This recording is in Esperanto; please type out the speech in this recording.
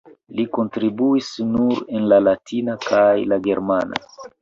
Li kontribuis nur en la latina kaj la germana.